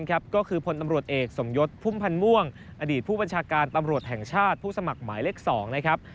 ก็คือพลตำรวจเอกสมยศพุ่มพันธ์ม่วงอดีตผู้บัญชาการตำรวจแห่งชาติผู้สมัครหมายเลข๒นะครับ